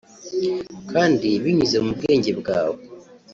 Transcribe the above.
kandi binyuze mu bwenge bwawe